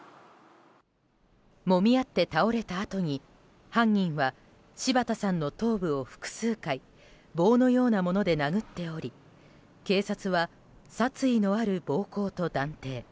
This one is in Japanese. もみ合って倒れたあとに犯人は柴田さんの頭部を複数回棒のようなもので殴っており警察は、殺意のある暴行と断定。